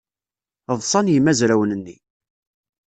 Ḍṣan yimezrawen-nni.